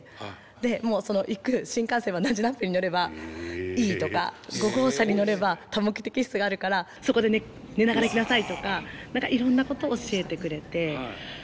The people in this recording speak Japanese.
もう行く新幹線は何時何分に乗ればいいとか５号車に乗れば多目的室があるからそこで寝ながら行きなさいとか何かいろんなこと教えてくれて。